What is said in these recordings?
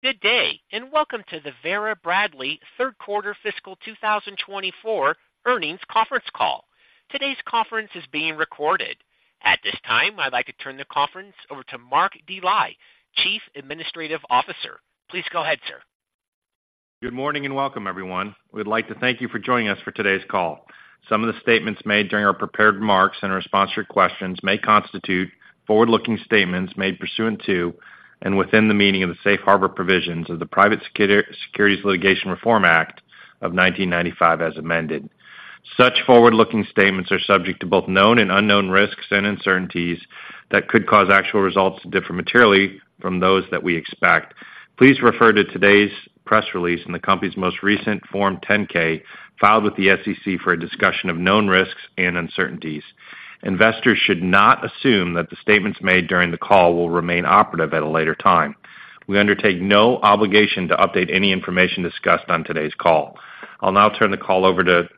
Good day, and welcome to the Vera Bradley third quarter fiscal 2024 earnings conference call. Today's conference is being recorded. At this time, I'd like to turn the conference over to Mark Dely, Chief Administrative Officer. Please go ahead, sir. Good morning, and welcome, everyone. We'd like to thank you for joining us for today's call. Some of the statements made during our prepared remarks and in response to your questions may constitute forward-looking statements made pursuant to and within the meaning of the Safe Harbor Provisions of the Private Securities Litigation Reform Act of 1995, as amended. Such forward-looking statements are subject to both known and unknown risks and uncertainties that could cause actual results to differ materially from those that we expect. Please refer to today's press release and the company's most recent Form 10-K, filed with the SEC for a discussion of known risks and uncertainties. Investors should not assume that the statements made during the call will remain operative at a later time. We undertake no obligation to update any information discussed on today's call. I'll now turn the call over to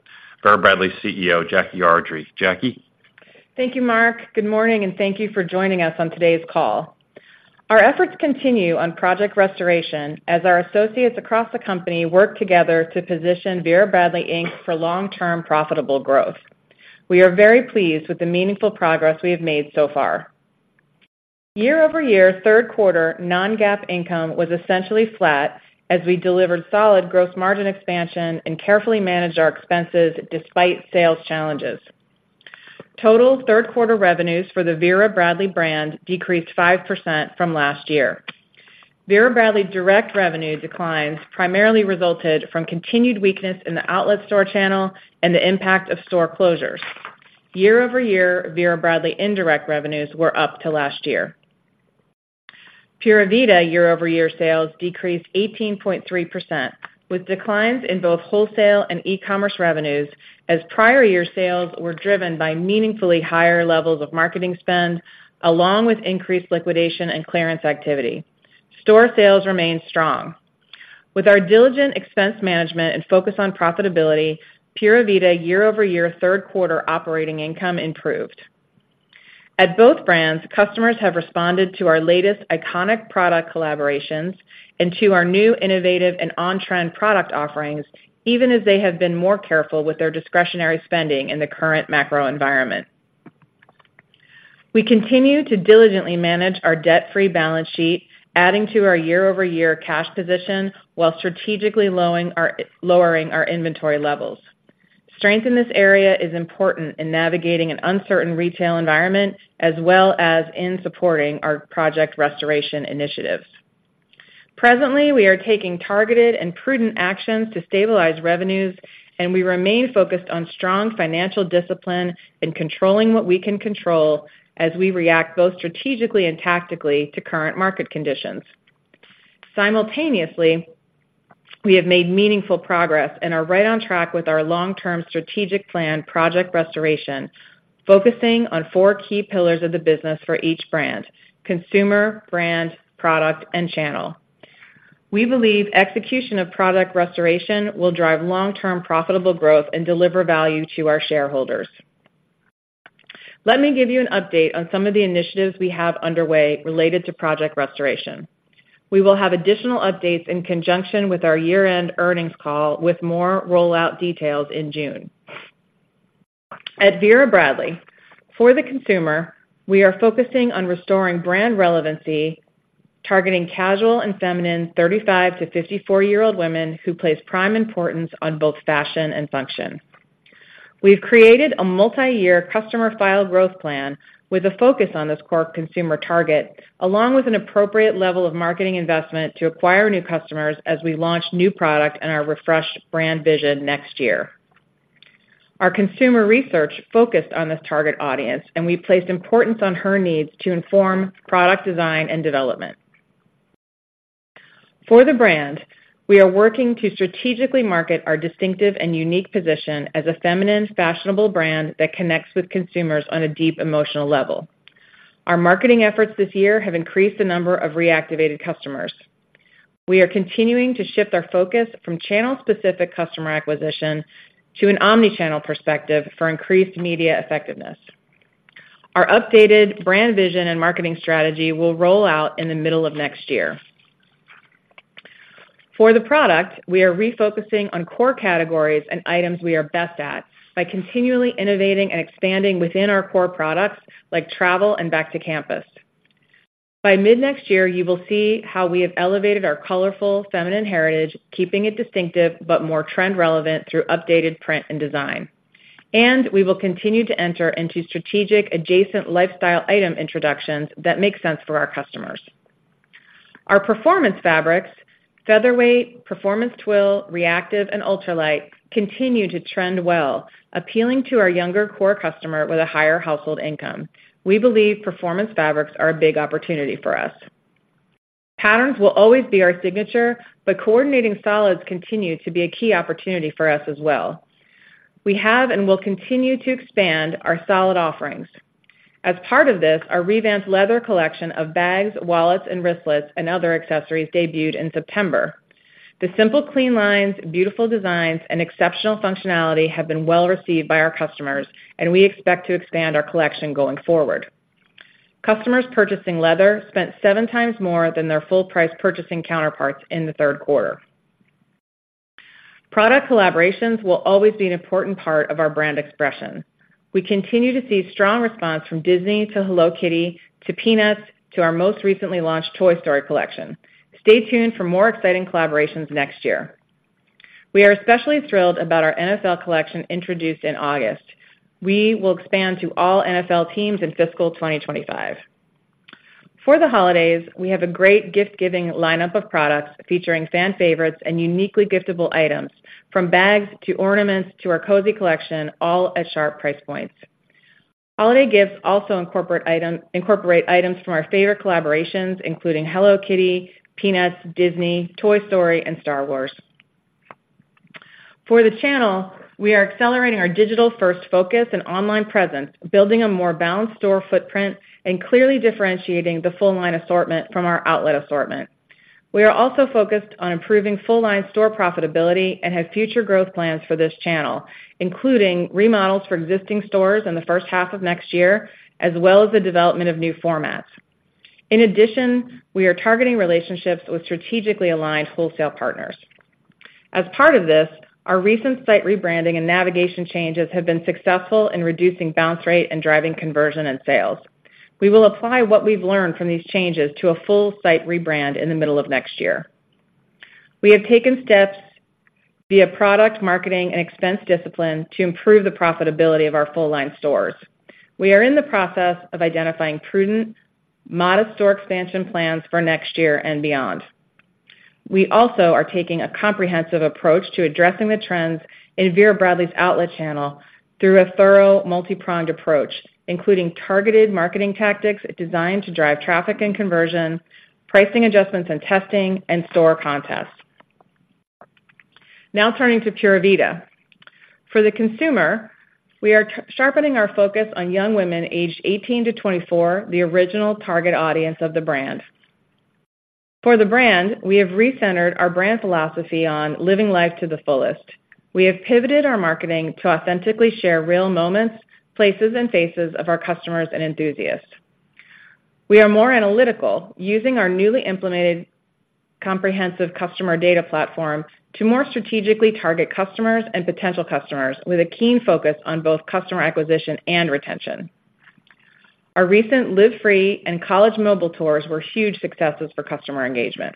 Vera Bradley CEO, Jackie Ardrey. Jackie? Thank you, Mark. Good morning, and thank you for joining us on today's call. Our efforts continue on Project Restoration as our associates across the company work together to position Vera Bradley, Inc. for long-term profitable growth. We are very pleased with the meaningful progress we have made so far. Year-over-year, third quarter non-GAAP income was essentially flat as we delivered solid gross margin expansion and carefully managed our expenses despite sales challenges. Total third quarter revenues for the Vera Bradley brand decreased 5% from last year. Vera Bradley direct revenue declines primarily resulted from continued weakness in the outlet store channel and the impact of store closures. Year-over-year, Vera Bradley indirect revenues were up to last year. Pura Vida year-over-year sales decreased 18.3%, with declines in both wholesale and e-commerce revenues, as prior year sales were driven by meaningfully higher levels of marketing spend, along with increased liquidation and clearance activity. Store sales remained strong. With our diligent expense management and focus on profitability, Pura Vida year-over-year third quarter operating income improved. At both brands, customers have responded to our latest iconic product collaborations and to our new innovative and on-trend product offerings, even as they have been more careful with their discretionary spending in the current macro environment. We continue to diligently manage our debt-free balance sheet, adding to our year-over-year cash position while strategically lowering our inventory levels. Strength in this area is important in navigating an uncertain retail environment as well as in supporting our Project Restoration initiatives. Presently, we are taking targeted and prudent actions to stabilize revenues, and we remain focused on strong financial discipline and controlling what we can control as we react both strategically and tactically to current market conditions. Simultaneously, we have made meaningful progress and are right on track with our long-term strategic plan, Project Restoration, focusing on four key pillars of the business for each brand: consumer, brand, product, and channel. We believe execution of product restoration will drive long-term profitable growth and deliver value to our shareholders. Let me give you an update on some of the initiatives we have underway related to Project Restoration. We will have additional updates in conjunction with our year-end earnings call, with more rollout details in June. At Vera Bradley, for the consumer, we are focusing on restoring brand relevancy, targeting casual and feminine 35- to 54-year-old women who place prime importance on both fashion and function. We've created a multi-year customer file growth plan with a focus on this core consumer target, along with an appropriate level of marketing investment to acquire new customers as we launch new product and our refreshed brand vision next year. Our consumer research focused on this target audience, and we placed importance on her needs to inform product design and development. For the brand, we are working to strategically market our distinctive and unique position as a feminine, fashionable brand that connects with consumers on a deep emotional level. Our marketing efforts this year have increased the number of reactivated customers. We are continuing to shift our focus from channel-specific customer acquisition to an omni-channel perspective for increased media effectiveness. Our updated brand vision and marketing strategy will roll out in the middle of next year. For the product, we are refocusing on core categories and items we are best at by continually innovating and expanding within our core products, like travel and back to campus. By mid-next year, you will see how we have elevated our colorful, feminine heritage, keeping it distinctive but more trend relevant through updated print and design. And we will continue to enter into strategic adjacent lifestyle item introductions that make sense for our customers. Our performance fabrics, Featherweight, Performance Twill, ReActive, and Ultralight, continue to trend well, appealing to our younger core customer with a higher household income. We believe performance fabrics are a big opportunity for us. Patterns will always be our signature, but coordinating solids continue to be a key opportunity for us as well. We have and will continue to expand our solid offerings. As part of this, our revamped leather collection of bags, wallets, and wristlets and other accessories debuted in September. The simple, clean lines, beautiful designs, and exceptional functionality have been well received by our customers, and we expect to expand our collection going forward. Customers purchasing leather spent seven times more than their full-price purchasing counterparts in the third quarter. Product collaborations will always be an important part of our brand expression. We continue to see strong response from Disney to Hello Kitty, to Peanuts, to our most recently launched Toy Story collection. Stay tuned for more exciting collaborations next year. We are especially thrilled about our NFL collection introduced in August. We will expand to all NFL teams in fiscal 2025.. For the holidays, we have a great gift-giving lineup of products featuring fan favorites and uniquely giftable items, from bags to ornaments to our cozy collection, all at sharp price points. Holiday gifts also incorporate items from our favorite collaborations, including Hello Kitty, Peanuts, Disney, Toy Story, and Star Wars. For the channel, we are accelerating our digital-first focus and online presence, building a more balanced store footprint, and clearly differentiating the full line assortment from our outlet assortment. We are also focused on improving full-line store profitability and have future growth plans for this channel, including remodels for existing stores in the first half of next year, as well as the development of new formats. In addition, we are targeting relationships with strategically aligned wholesale partners. As part of this, our recent site rebranding and navigation changes have been successful in reducing bounce rate and driving conversion and sales. We will apply what we've learned from these changes to a full site rebrand in the middle of next year. We have taken steps via product marketing and expense discipline to improve the profitability of our full-line stores. We are in the process of identifying prudent, modest store expansion plans for next year and beyond. We also are taking a comprehensive approach to addressing the trends in Vera Bradley's outlet channel through a thorough, multipronged approach, including targeted marketing tactics designed to drive traffic and conversion, pricing adjustments and testing, and store contests. Now turning to Pura Vida. For the consumer, we are sharpening our focus on young women aged 18-24, the original target audience of the brand. For the brand, we have recentered our brand philosophy on living life to the fullest. We have pivoted our marketing to authentically share real moments, places, and faces of our customers and enthusiasts. We are more analytical, using our newly implemented comprehensive customer data platform to more strategically target customers and potential customers, with a keen focus on both customer acquisition and retention. Our recent Live Free and College Mobile Tours were huge successes for customer engagement.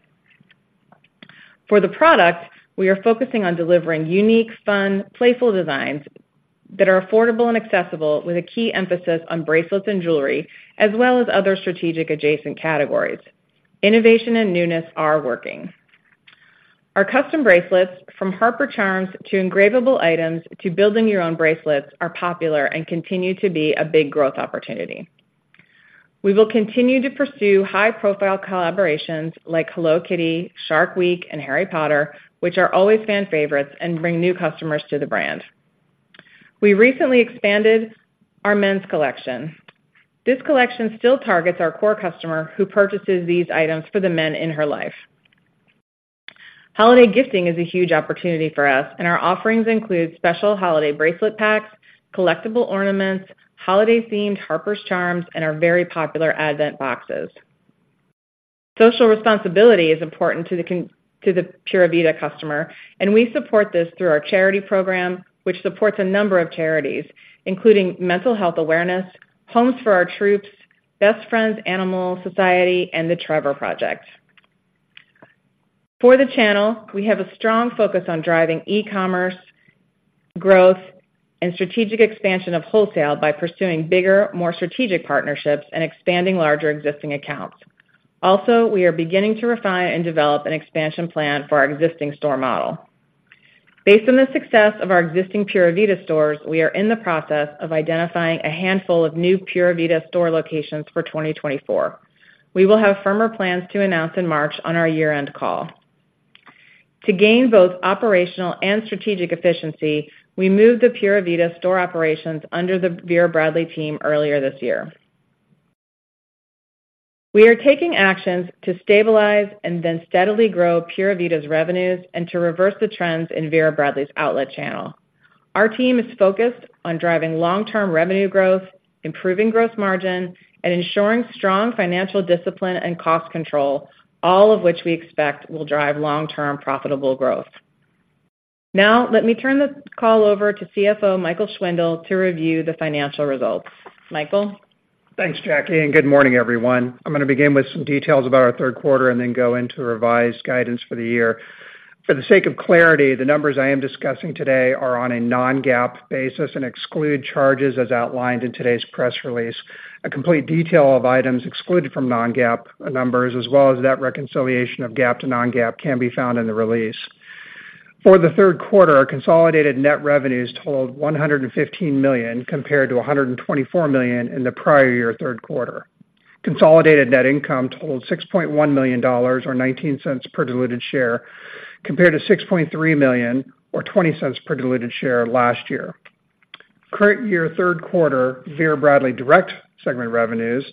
For the product, we are focusing on delivering unique, fun, playful designs that are affordable and accessible, with a key emphasis on bracelets and jewelry, as well as other strategic adjacent categories. Innovation and newness are working. Our custom bracelets, from Harper Charms to engravable items to building your own bracelets, are popular and continue to be a big growth opportunity. We will continue to pursue high-profile collaborations like Hello Kitty, Shark Week, and Harry Potter, which are always fan favorites and bring new customers to the brand. We recently expanded our men's collection. This collection still targets our core customer, who purchases these items for the men in her life. Holiday gifting is a huge opportunity for us, and our offerings include special holiday bracelet packs, collectible ornaments, holiday-themed Harper Charms, and our very popular advent boxes. Social responsibility is important to the Pura Vida customer, and we support this through our charity program, which supports a number of charities, including Mental Health Awareness, Homes For Our Troops, Best Friends Animal Society, and The Trevor Project. For the channel, we have a strong focus on driving e-commerce, growth, and strategic expansion of wholesale by pursuing bigger, more strategic partnerships and expanding larger existing accounts. Also, we are beginning to refine and develop an expansion plan for our existing store model. Based on the success of our existing Pura Vida stores, we are in the process of identifying a handful of new Pura Vida store locations for 2024. We will have firmer plans to announce in March on our year-end call. To gain both operational and strategic efficiency, we moved the Pura Vida store operations under the Vera Bradley team earlier this year. We are taking actions to stabilize and then steadily grow Pura Vida's revenues and to reverse the trends in Vera Bradley's outlet channel. Our team is focused on driving long-term revenue growth, improving gross margin, and ensuring strong financial discipline and cost control, all of which we expect will drive long-term profitable growth. Now, let me turn the call over to CFO Michael Schwindle to review the financial results. Michael? Thanks, Jackie, and good morning, everyone. I'm gonna begin with some details about our third quarter and then go into the revised guidance for the year. For the sake of clarity, the numbers I am discussing today are on a non-GAAP basis and exclude charges as outlined in today's press release. A complete detail of items excluded from non-GAAP numbers, as well as that reconciliation of GAAP to non-GAAP, can be found in the release. For the third quarter, our consolidated net revenues totaled $115 million, compared to $124 million in the prior year third quarter. Consolidated net income totaled $6.1 million or $0.19 per diluted share, compared to $6.3 million or $0.20 per diluted share last year. Current year, third quarter, Vera Bradley direct segment revenues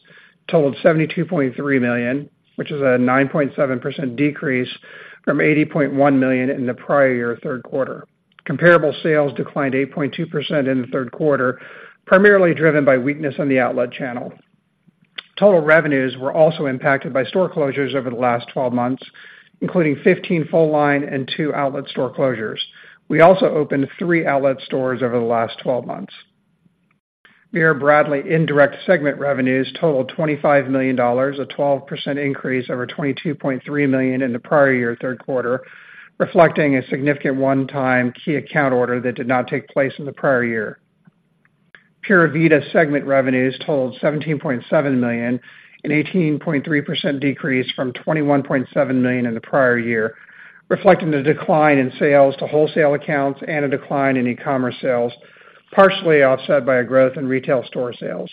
totaled $72.3 million, which is a 9.7% decrease from $80.1 million in the prior year third quarter. Comparable sales declined 8.2% in the third quarter, primarily driven by weakness in the outlet channel. Total revenues were also impacted by store closures over the last 12 months, including 15 full-line and 2 outlet store closures. We also opened 3 outlet stores over the last 12 months. Vera Bradley indirect segment revenues totaled $25 million, a 12% increase over $22.3 million in the prior year third quarter, reflecting a significant one-time key account order that did not take place in the prior year. Pura Vida segment revenues totaled $17.7 million, an 18.3% decrease from $21.7 million in the prior year, reflecting the decline in sales to wholesale accounts and a decline in e-commerce sales, partially offset by a growth in retail store sales.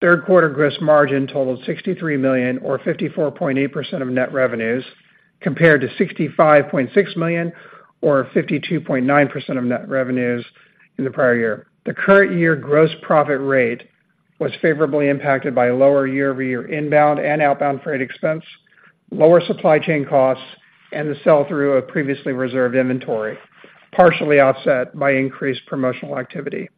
Third quarter gross margin totaled $63 million or 54.8% of net revenues, compared to $65.6 million or 52.9% of net revenues in the prior year. The current year gross profit rate was favorably impacted by lower year-over-year inbound and outbound freight expense, lower supply chain costs, and the sell-through of previously reserved inventory, partially offset by increased promotional activity.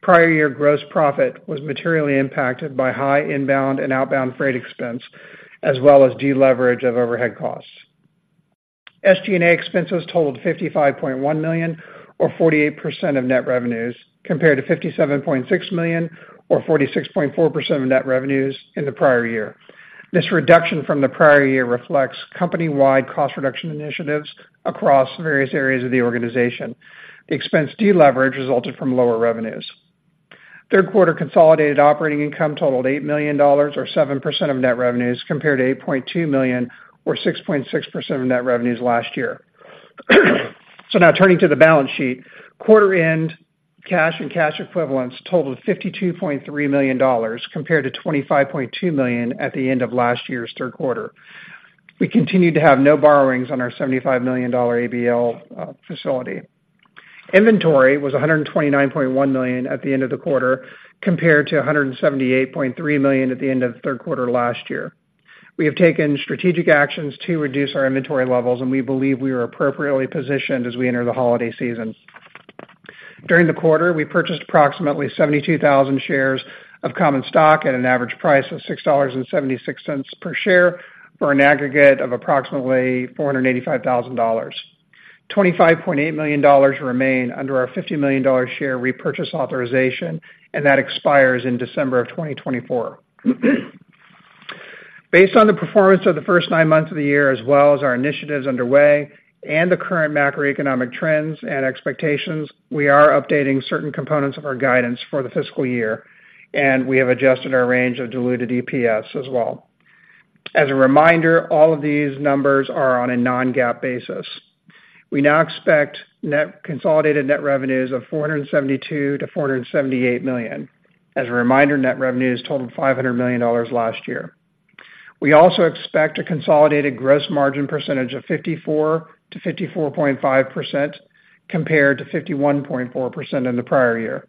Prior year gross profit was materially impacted by high inbound and outbound freight expense, as well as deleverage of overhead costs. SG&A expenses totaled $55.1 million or 48% of net revenues, compared to $57.6 million or 46.4% of net revenues in the prior year. This reduction from the prior year reflects company-wide cost reduction initiatives across various areas of the organization. The expense deleverage resulted from lower revenues. Third quarter consolidated operating income totaled $8 million, or 7% of net revenues, compared to $8.2 million or 6.6% of net revenues last year. So now turning to the balance sheet. Quarter end cash and cash equivalents totaled $52.3 million, compared to $25.2 million at the end of last year's third quarter. We continued to have no borrowings on our $75 million ABL facility. Inventory was $129.1 million at the end of the quarter, compared to $178.3 million at the end of the third quarter last year. We have taken strategic actions to reduce our inventory levels, and we believe we are appropriately positioned as we enter the holiday season. During the quarter, we purchased approximately 72,000 shares of common stock at an average price of $6.76 per share, for an aggregate of approximately $485,000. $25.8 million remain under our $50 million share repurchase authorization, and that expires in December 2024. Based on the performance of the first nine months of the year, as well as our initiatives underway and the current macroeconomic trends and expectations, we are updating certain components of our guidance for the fiscal year, and we have adjusted our range of diluted EPS as well. As a reminder, all of these numbers are on a non-GAAP basis. We now expect consolidated net revenues of $472 million-$478 million. As a reminder, net revenues totaled $500 million last year. We also expect a consolidated gross margin percentage of 54%-54.5%, compared to 51.4% in the prior year.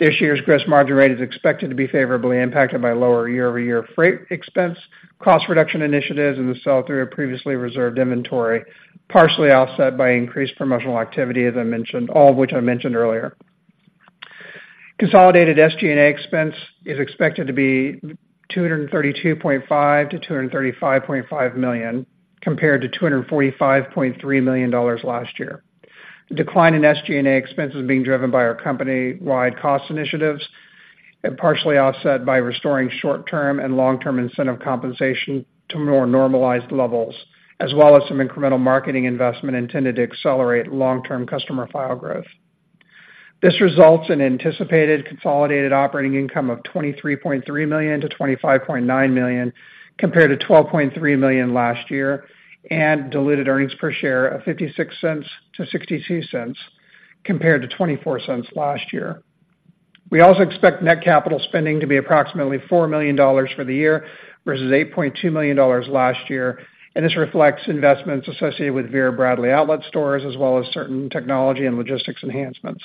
This year's gross margin rate is expected to be favorably impacted by lower year-over-year freight expense, cost reduction initiatives, and the sell-through of previously reserved inventory, partially offset by increased promotional activity, as I mentioned, all of which I mentioned earlier. Consolidated SG&A expense is expected to be $232.5 million-$235.5 million, compared to $245.3 million last year. The decline in SG&A expense is being driven by our company-wide cost initiatives, and partially offset by restoring short-term and long-term incentive compensation to more normalized levels, as well as some incremental marketing investment intended to accelerate long-term customer file growth. This results in anticipated consolidated operating income of $23.3 million-$25.9 million, compared to $12.3 million last year, and diluted earnings per share of $0.56-$0.62, compared to $0.24 last year. We also expect net capital spending to be approximately $4 million for the year, versus $8.2 million last year, and this reflects investments associated with Vera Bradley outlet stores, as well as certain technology and logistics enhancements.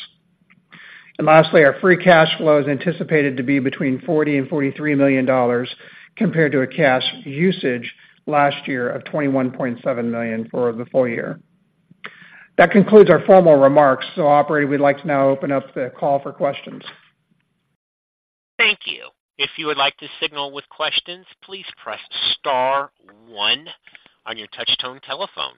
And lastly, our free cash flow is anticipated to be between $40 million and $43 million, compared to a cash usage last year of $21.7 million for the full year. That concludes our formal remarks. So operator, we'd like to now open up the call for questions. Thank you. If you would like to signal with questions, please press star one on your touchtone telephone.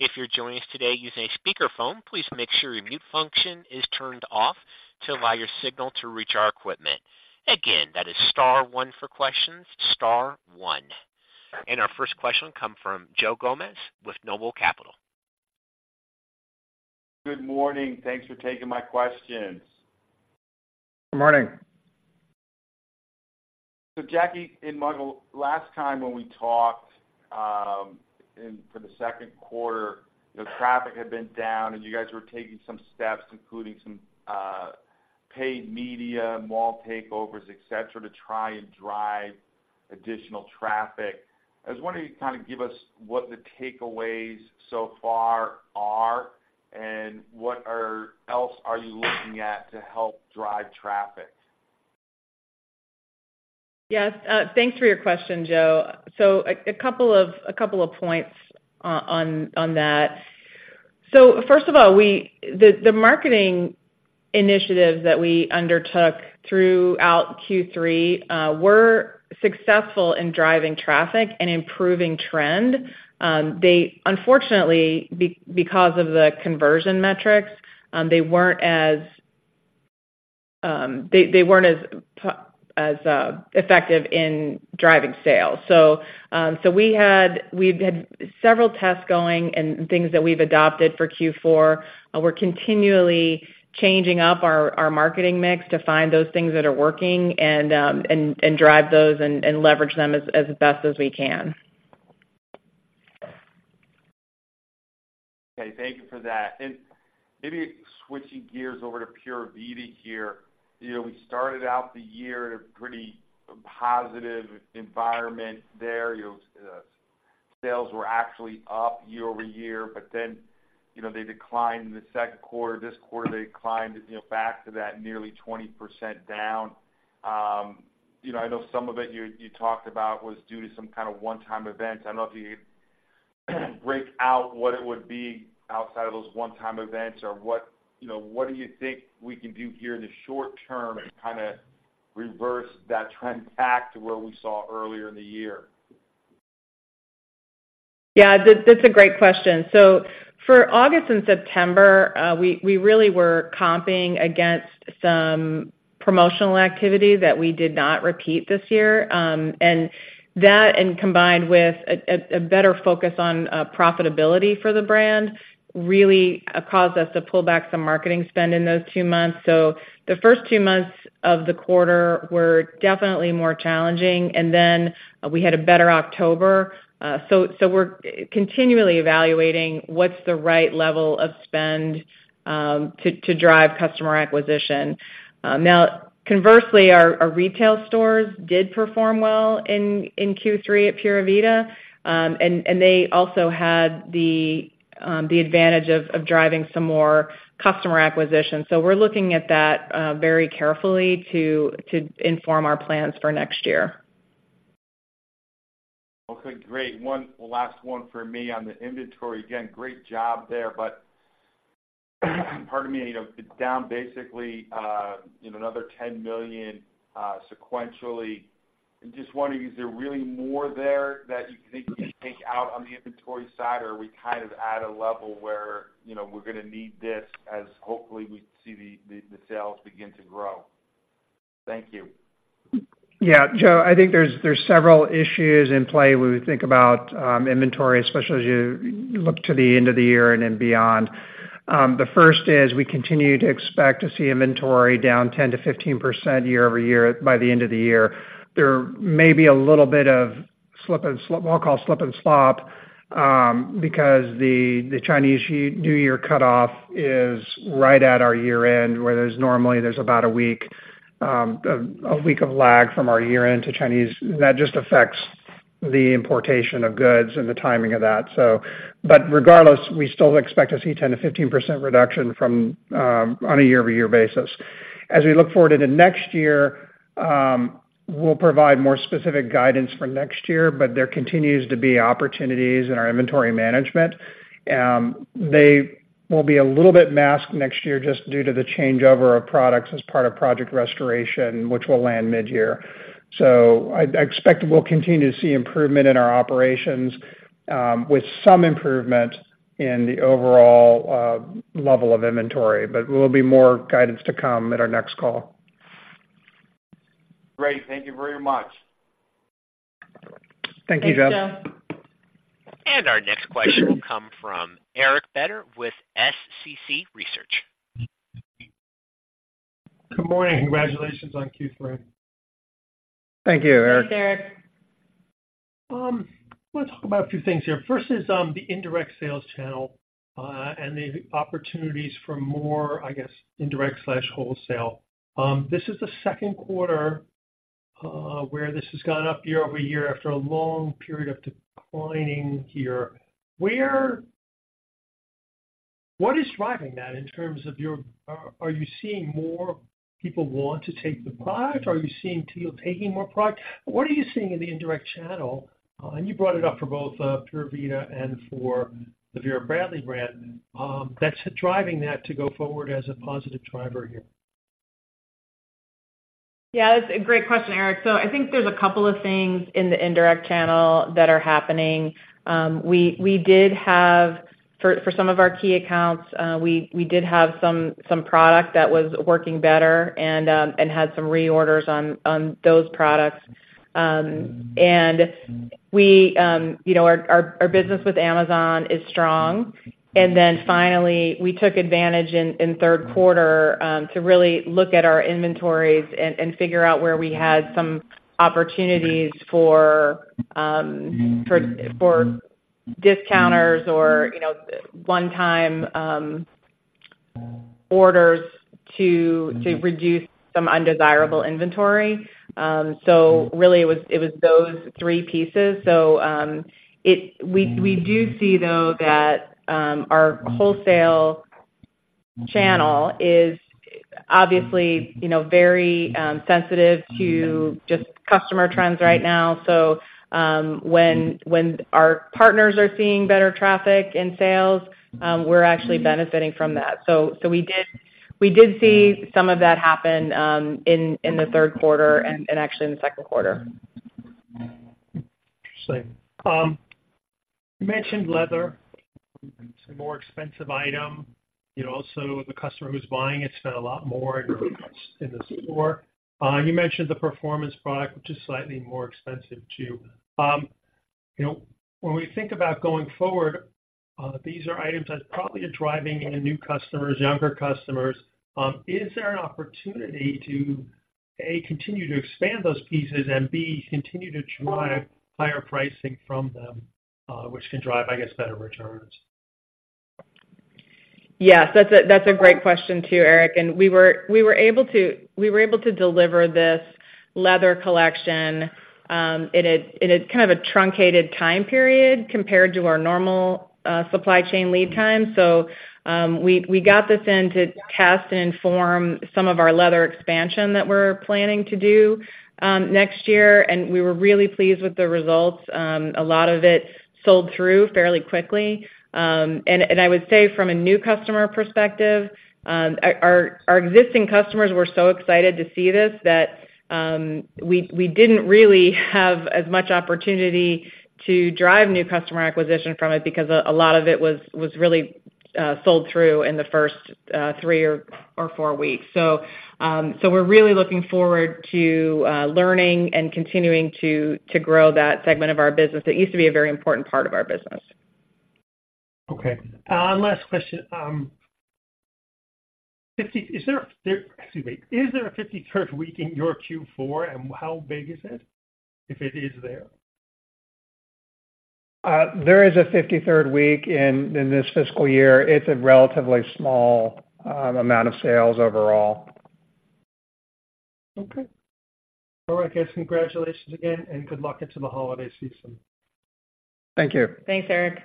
If you're joining us today using a speakerphone, please make sure your mute function is turned off to allow your signal to reach our equipment. Again, that is star one for questions. Star one. And our first question will come from Joe Gomes with Noble Capital. Good morning. Thanks for taking my questions. Good morning. So Jackie and Michael, last time when we talked, in for the second quarter, the traffic had been down, and you guys were taking some steps, including some paid media, mall takeovers, et cetera, to try and drive additional traffic. I was wondering if you could kind of give us what the takeaways so far are, and what else are you looking at to help drive traffic?... Yes, thanks for your question, Joe. So a couple of points on that. So first of all, the marketing initiatives that we undertook throughout Q3 were successful in driving traffic and improving trend. They unfortunately, because of the conversion metrics, they weren't as effective in driving sales. So we've had several tests going and things that we've adopted for Q4. We're continually changing up our marketing mix to find those things that are working and drive those and leverage them as best as we can. Okay, thank you for that. And maybe switching gears over to Pura Vida here. You know, we started out the year in a pretty positive environment there. You know, sales were actually up year-over-year, but then, you know, they declined in the second quarter. This quarter, they declined, you know, back to that nearly 20% down. You know, I know some of it you, you talked about was due to some kind of one-time event. I don't know if you could break out what it would be outside of those one-time events or what, you know, what do you think we can do here in the short term and kind of reverse that trend back to where we saw earlier in the year? Yeah, that's a great question. So for August and September, we really were comping against some promotional activity that we did not repeat this year. And that combined with a better focus on profitability for the brand, really caused us to pull back some marketing spend in those two months. So the first two months of the quarter were definitely more challenging, and then we had a better October. So we're continually evaluating what's the right level of spend to drive customer acquisition. Now, conversely, our retail stores did perform well in Q3 at Pura Vida. And they also had the advantage of driving some more customer acquisition. So we're looking at that very carefully to inform our plans for next year. Okay, great. One last one for me on the inventory. Again, great job there, but pardon me, you know, it's down basically, you know, another $10 million sequentially. Just wondering, is there really more there that you think you can take out on the inventory side? Or are we kind of at a level where, you know, we're going to need this as hopefully, we see the sales begin to grow? Thank you. Yeah, Joe, I think there's several issues in play when we think about inventory, especially as you look to the end of the year and then beyond. The first is we continue to expect to see inventory down 10%-15% year-over-year by the end of the year. There may be a little bit of slip and slop—we'll call slip and slop, because the Chinese New Year cutoff is right at our year-end, where there's normally about a week of lag from our year-end to Chinese. That just affects the importation of goods and the timing of that, so. But regardless, we still expect to see 10%-15% reduction from on a year-over-year basis. As we look forward into next year, we'll provide more specific guidance for next year, but there continues to be opportunities in our inventory management. They will be a little bit masked next year just due to the changeover of products as part of Project Restoration, which will land mid-year. So I, I expect we'll continue to see improvement in our operations, with some improvement in the overall level of inventory, but there will be more guidance to come at our next call. Great. Thank you very much. Thank you, Joe. Thanks, Joe. Our next question will come from Eric Beder with SCC Research. Good morning. Congratulations on Q3. Thank you, Eric. Thanks, Eric. I want to talk about a few things here. First is the indirect sales channel and the opportunities for more, I guess, indirect/wholesale. This is the second quarter where this has gone up year-over-year after a long period of declining here. What is driving that in terms of your... Are you seeing more people want to take the product? Are you seeing they're taking more product? What are you seeing in the indirect channel? And you brought it up for both Pura Vida and for the Vera Bradley brand, that's driving that to go forward as a positive driver here. Yeah, that's a great question, Eric. So I think there's a couple of things in the indirect channel that are happening. We did have, for some of our key accounts, some product that was working better and had some reorders on those products. And we, you know, our business with Amazon is strong. And then finally, we took advantage in third quarter to really look at our inventories and figure out where we had some opportunities for discounters or, you know, one-time orders to reduce some undesirable inventory. So really, it was those three pieces. So, we do see, though, that our wholesale channel is obviously, you know, very sensitive to just customer trends right now. When our partners are seeing better traffic in sales, we're actually benefiting from that. So we did see some of that happen in the third quarter and actually in the second quarter. Same. You mentioned leather. It's a more expensive item. You know, also, the customer who's buying it, spend a lot more in the store. You mentioned the performance product, which is slightly more expensive, too. You know, when we think about going forward, these are items that probably are driving in new customers, younger customers. Is there an opportunity to, A, continue to expand those pieces, and B, continue to drive higher pricing from them, which can drive, I guess, better returns? Yes, that's a great question, too, Eric. We were able to deliver this leather collection in a kind of a truncated time period compared to our normal supply chain lead time. So, we got this in to test and inform some of our leather expansion that we're planning to do next year, and we were really pleased with the results. A lot of it sold through fairly quickly. And I would say from a new customer perspective, our existing customers were so excited to see this, that we didn't really have as much opportunity to drive new customer acquisition from it, because a lot of it was really sold through in the first three or four weeks. So, we're really looking forward to learning and continuing to grow that segment of our business. It used to be a very important part of our business. Okay. Last question. Excuse me. Is there a 53rd week in your Q4, and how big is it, if it is there? There is a 53rd week in this fiscal year. It's a relatively small amount of sales overall. Okay. All right, guys. Congratulations again, and good luck into the holiday season. Thank you. Thanks, Eric.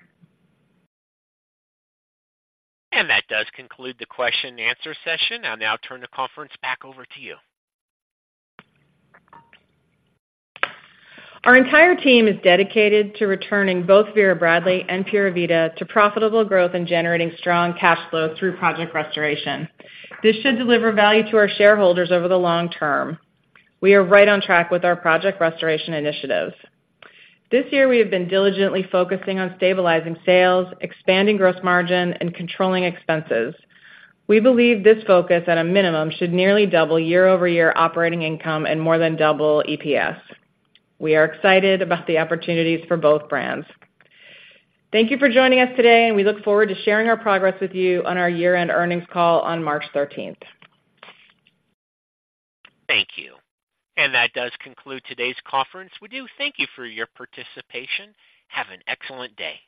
That does conclude the question and answer session. I'll now turn the conference back over to you. Our entire team is dedicated to returning both Vera Bradley and Pura Vida to profitable growth and generating strong cash flow through Project Restoration. This should deliver value to our shareholders over the long term. We are right on track with our Project Restoration initiatives. This year, we have been diligently focusing on stabilizing sales, expanding gross margin, and controlling expenses. We believe this focus, at a minimum, should nearly double year-over-year operating income and more than double EPS. We are excited about the opportunities for both brands. Thank you for joining us today, and we look forward to sharing our progress with you on our year-end earnings call on March thirteenth. Thank you. That does conclude today's conference. We do thank you for your participation. Have an excellent day.